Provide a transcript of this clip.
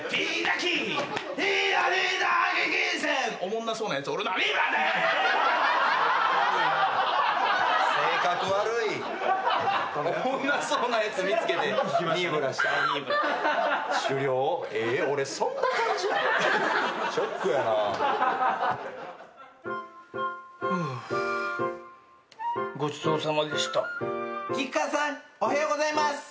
きくかわさんおはようございます。